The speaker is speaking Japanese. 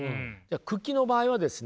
九鬼の場合はですね